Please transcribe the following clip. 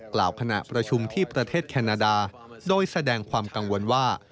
กล่าวขณะประชุมที่ประเทศแคนาดาโดยแสดงความกังวลว่า